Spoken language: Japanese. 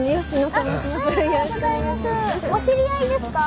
お知り合いですか？